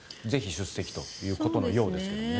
ぜひ出席をということのようですね。